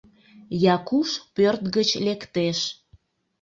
Якуш пӧрт гыч лектеш.